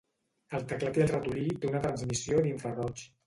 El teclat i el ratolí té una transmissió d'infraroig.